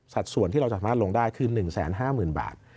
ส่วนที่เราสามารถลงได้คือ๑๕๐๐๐บาท